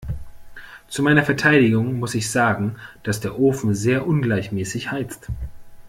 Zu meiner Verteidigung muss ich sagen, dass der Ofen sehr ungleichmäßig heizt.